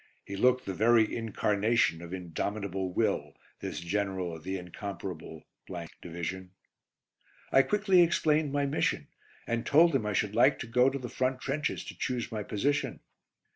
He looked the very incarnation of indomitable will, this General of the incomparable Division. I quickly explained my mission, and told him I should like to go to the front trenches to choose my position.